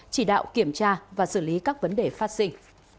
chỉ đạo kiểm tra và xử lý các vấn đề phát sinh